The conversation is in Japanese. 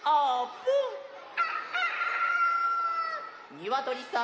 にわとりさん！